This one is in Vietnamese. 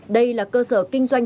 đây là cơ sở kinh doanh